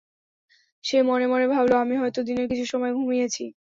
সে মনে মনে ভাবল, আমি হয়ত দিনের কিছু সময় ঘুমিয়েছি।